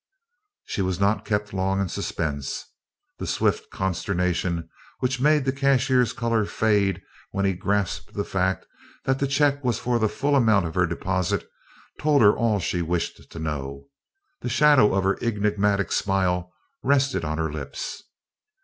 She was not kept long in suspense. The swift consternation which made the cashier's color fade when he grasped the fact that the check was for the full amount of her deposit told her all she wished to know. The shadow of her enigmatic smile rested on her lips.